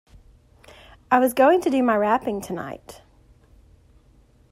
I was going to do my wrapping tonight.